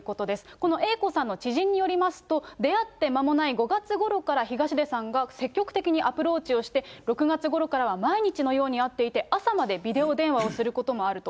このＡ子さんの知人によりますと、出会ってまもない５月ごろから、東出さんが積極的にアプローチをして、６月ごろからは、毎日のように会っていて、朝までビデオ電話をすることもあると。